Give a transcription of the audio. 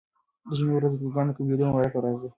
د جمعې ورځ د دعاګانو د قبلېدو مبارکه ورځ ده.